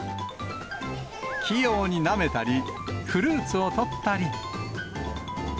器用になめたり、フルーツを取ったり。